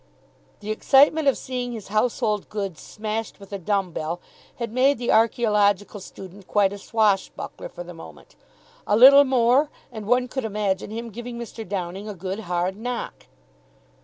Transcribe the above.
The excitement of seeing his household goods smashed with a dumb bell had made the archaeological student quite a swashbuckler for the moment. A little more, and one could imagine him giving Mr. Downing a good, hard knock.